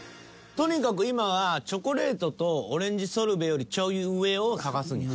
とにかく今はチョコレートとオレンジソルベよりちょい上を探す。